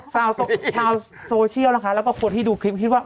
ชาวโซเชียลนะคะแล้วก็คนที่ดูคลิปคิดว่า